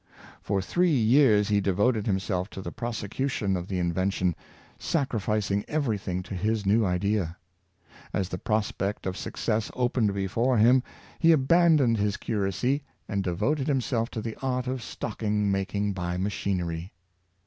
For three years he devoted himself to the prosecution of the in vention, sacrificing every thing to his new idea. As the prospect of success opened before him, he aban doned his curacy, and devoted himself to the art of stocking making by machinery.